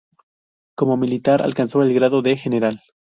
Como militar alcanzó el grado de general.